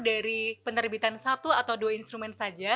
dari penerbitan satu atau dua instrumen saja